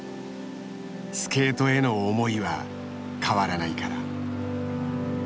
スケートへの思いは変わらないから。